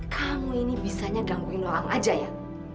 kamu ini bisanya gangguin doang aja ya